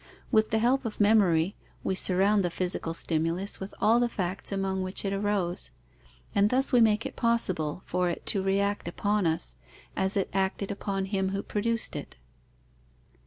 With the help of memory, we surround the physical stimulus with all the facts among which it arose; and thus we make it possible for it to react upon us, as it acted upon him who produced it.